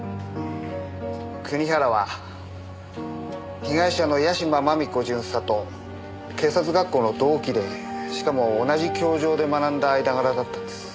国原は被害者の屋島真美子巡査と警察学校の同期でしかも同じ教場で学んだ間柄だったんです。